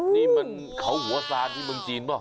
นี่มันเขาหัวซานที่เมืองจีนเปล่า